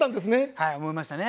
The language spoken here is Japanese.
はい思いましたね。